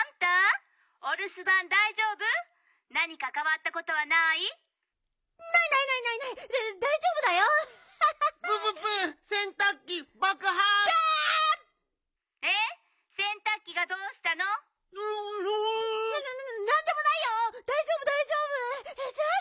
だいじょうぶだいじょうぶ！